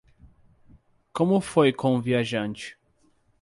Como foi com o viajante?